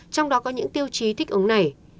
trong đó có những tiêu chí thích ứng này